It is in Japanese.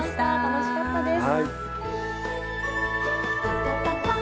楽しかったです。